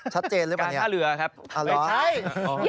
ชัดเจนหรือเปล่าเนี่ยอร่อยใช่